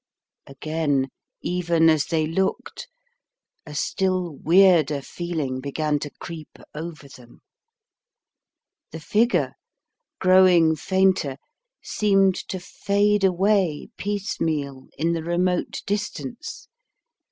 Again, even as they looked, a still weirder feeling began to creep over them. The figure, growing fainter, seemed to fade away piecemeal in the remote distance.